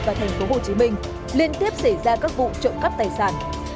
và thành phố hồ chí minh liên tiếp xảy ra các vụ trộm cắp tài sản